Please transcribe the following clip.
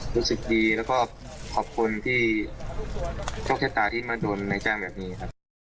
รู้สึกดีแล้วก็ขอบคุณที่โชคชะตาที่มาโดนในจ้างแบบนี้ครับ